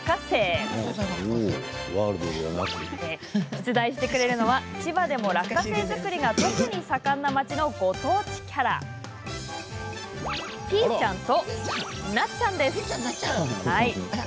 出題してくれるのは千葉でも落花生作りが特に盛んな町のご当地キャラピーちゃんとナッちゃんです。